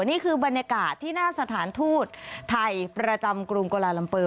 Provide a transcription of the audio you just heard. นี่คือบรรยากาศที่หน้าสถานทูตไทยประจำกรุงโกลาลัมเปอร์